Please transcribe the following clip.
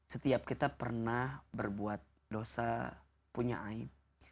setiap kita pernah berbuat dosa punya aib